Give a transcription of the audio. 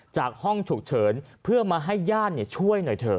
จากห้องฉุกเฉินเพื่อมาให้ได้เระช่วย